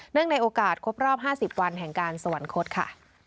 ในโอกาสครบรอบ๕๐วันแห่งการสวรรคตค่ะ